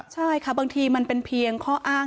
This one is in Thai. ใช่ค่ะบางทีมันเป็นเพียงข้ออ้าง